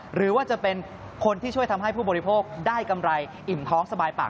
หรือว่าจะเป็นคนที่ช่วยทำให้ผู้บริโภคได้กำไรอิ่มท้องสบายปาก